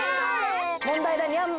問題だにゃん。